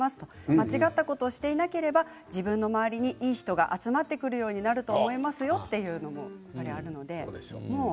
間違ったことをしていなければ自分の周りにいい人が集まってくるようになると思いますよということです。